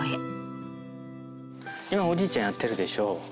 今おじいちゃんやってるでしょ。